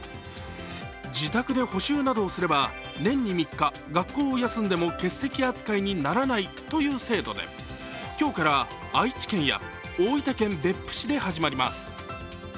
自宅で補習などをすれば年に３日、学校を休んでも欠席扱いにならないという制度で今日から愛知県や大分県別府市で始まります。